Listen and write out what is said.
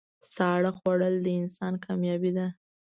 ساړه خوړل د انسان کامیابي ده.